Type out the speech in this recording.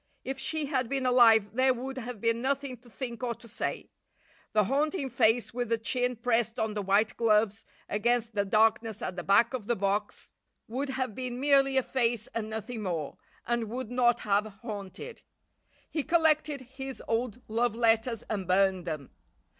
If she had been alive there would have been nothing to think or to say. The haunting face with the chin pressed on the white gloves against the darkness at the back of the box would have been merely a face and nothing more, and would not have haunted. He collected his old love letters and burned them.